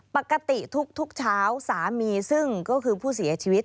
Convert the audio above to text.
ปกติทุกเช้าสามีซึ่งก็คือผู้เสียชีวิต